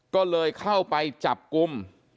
ก็เลยเข้าไปจับกลุ่ม